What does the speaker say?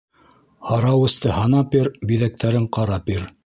Һарауысты һанап бир, биҙәктәрен ҡарап бир.